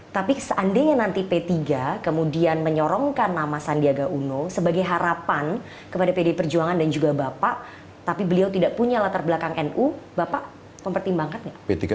tapi seandainya nanti p tiga kemudian menyorongkan nama sandiaga uno sebagai harapan kepada pd perjuangan dan juga bapak tapi beliau tidak punya latar belakang nu bapak mempertimbangkan nggak